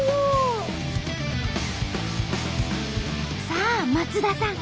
さあ松田さん